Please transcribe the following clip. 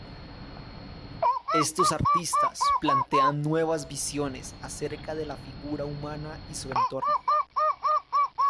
Estos artistas plantean nuevas visiones acerca de la figura humana y su entorno.